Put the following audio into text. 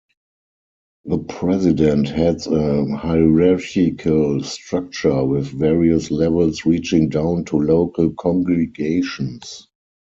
The president heads a hierarchical structure with various levels reaching down to local congregations.